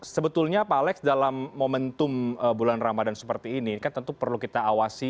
sebetulnya pak alex dalam momentum bulan ramadhan seperti ini kan tentu perlu kita awasi